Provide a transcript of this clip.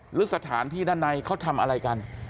หรือสถานที่ด้านในเขาทำอะไรกัน